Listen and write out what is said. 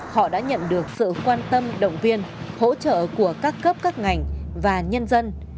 họ đã nhận được sự quan tâm động viên hỗ trợ của các cấp các ngành và nhân dân